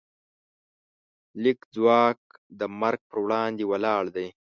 د لیک ځواک د مرګ پر وړاندې ولاړ دی.